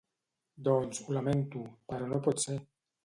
Doncs, ho lamento, però no pot ser!